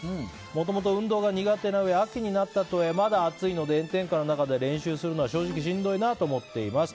もともと運動が苦手なうえ秋になったとはいえまだ暑いので炎天下の中やるのは正直しんどいなと思っています。